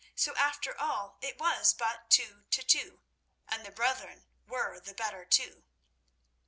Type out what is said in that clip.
So after all it was but two to two, and the brethren were the better two.